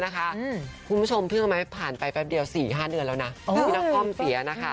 คุณผู้ชมก็ผ่านไปฟับเดียว๔๕เดือนแล้วนักคอมภาพเสีย